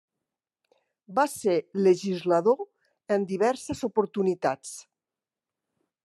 Va ser legislador en diverses oportunitats.